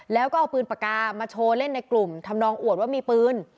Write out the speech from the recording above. แล้วก็เอาปืนปากกามาโชว์เล่นในกลุ่มทำนองอวดว่ามีปืน